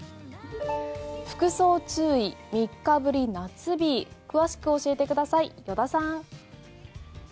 服装注意３日ぶり夏日詳しく教えてください依田さん。